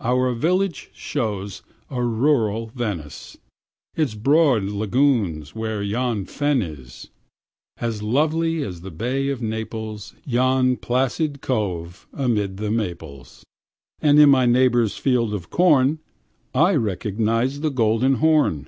Our village shows a rural Venice, Its broad lagoons where yonder fen is; As lovely as the Bay of Naples Yon placid cove amid the maples; And in my neighbor's field of corn I recognise the Golden Horn.